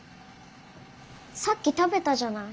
さっき食べたじゃない。